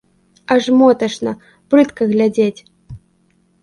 Аж моташна, брыдка глядзець.